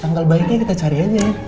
tanggal baiknya kita cari aja